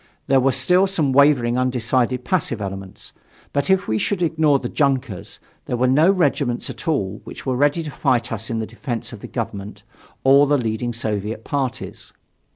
There were still some wavering, undecided, passive elements. But if we should ignore the junkers, there were no regiments at all which were ready to fight us in the defense of the Government or the leading Soviet parties.